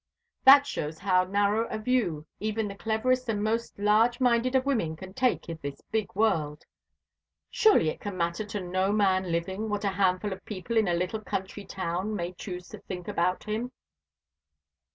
"That shows how narrow a view even the cleverest and most large minded of women can take of this big world. Surely it can matter to no man living what a handful of people in a little country town may choose to think about him."